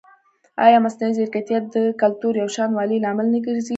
ایا مصنوعي ځیرکتیا د کلتوري یوشان والي لامل نه ګرځي؟